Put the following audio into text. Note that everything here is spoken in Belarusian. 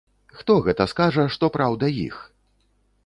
Хто гэта скажа, што праўда іх?